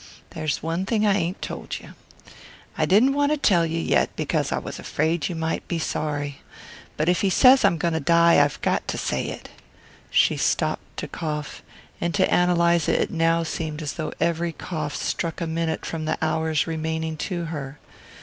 "There's one thing I ain't told you. I didn't want to tell you yet because I was afraid you might be sorry but if he says I'm going to die I've got to say it." She stopped to cough, and to Ann Eliza it now seemed as though every cough struck a minute from the hours remaining to her.